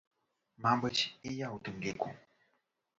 Мабыць, і я ў тым ліку.